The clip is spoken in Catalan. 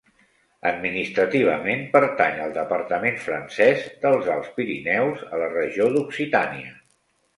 Administrativament pertany al departament francès dels Alts Pirineus, a la regió d'Occitània.